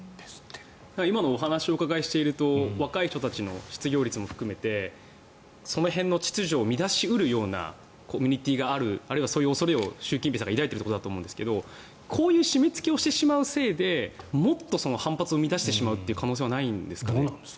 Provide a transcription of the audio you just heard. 今のお話を伺っていると若い人たちの失業率も含めてその辺の秩序を乱し得るようなコミュニティーがあるあるいはそういう恐れを習近平さんが抱いていることだと思うんですがこういう締めつけをしてしまうせいでもっと反発を生み出してしまうという可能性はないんですかね？